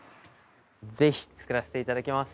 ぜひ作らせていただきます。